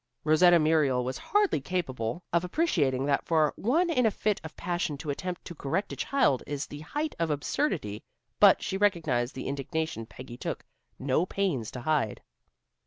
Rosetta Muriel was hardly capable of appreciating that for one in a fit of passion to attempt to correct a child is the height of absurdity, but she recognized the indignation Peggy took no pains to hide.